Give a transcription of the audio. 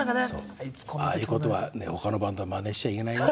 ああいうことは他のバンドはまねしちゃいけないよ。